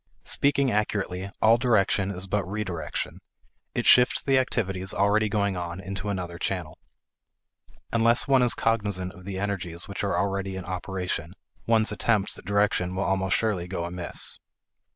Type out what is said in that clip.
Speaking accurately, all direction is but re direction; it shifts the activities already going on into another channel. Unless one is cognizant of the energies which are already in operation, one's attempts at direction will almost surely go amiss.